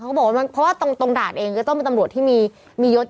เขาก็บอกว่าเพราะว่าตรงด่านเองก็ต้องมีตำรวจที่มียศอยู่ด้วย